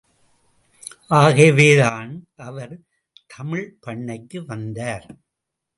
ஆகவேதான் அவர் தமிழ்பண்ணைக்கு வந்தார்.